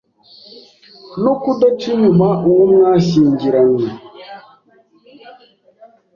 no kudaca inyuma uwo mwashyingiranywe